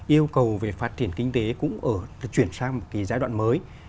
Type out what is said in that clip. yêu cầu về phát triển kinh tế cũng ở chuyển sang một giai đoạn mới